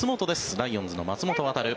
ライオンズの松本航。